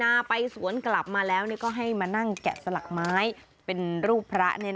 ไปสวนกลับมาแล้วก็ให้มานั่งแกะสลักไม้เป็นรูปพระ